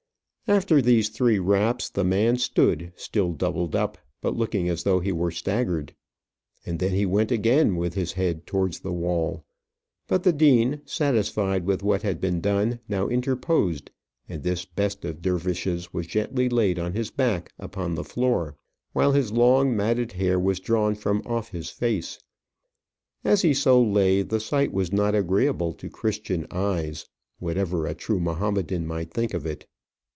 After these three raps, the man stood, still doubled up, but looking as though he were staggered. And then he went again with his head towards the wall. But the dean, satisfied with what had been done, now interposed, and this best of dervishes was gently laid on his back upon the floor, while his long matted hair was drawn from off his face. As he so lay, the sight was not agreeable to Christian eyes, whatever a true Mahomedan might think of it.